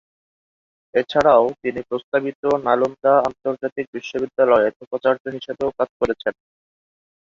এছাড়াও তিনি প্রস্তাবিত নালন্দা আন্তর্জাতিক বিশ্ববিদ্যালয়ের উপাচার্য হিসাবেও কাজ করেছেন।